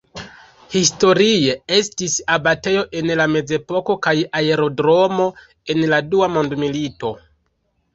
Historie estis abatejo en la Mezepoko kaj aerodromo en la Dua mondmilito.